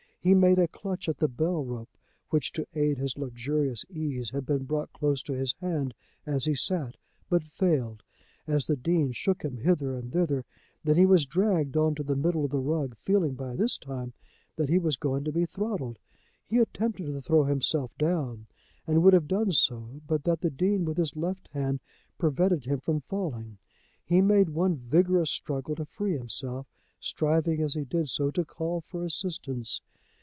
He made a clutch at the bell rope, which to aid his luxurious ease had been brought close to his hand as he sat, but failed, as the Dean shook him hither and thither. Then he was dragged on to the middle of the rug, feeling by this time that he was going to be throttled. He attempted to throw himself down, and would have done so but that the Dean with his left hand prevented him from falling. He made one vigorous struggle to free himself, striving as he did so to call for assistance.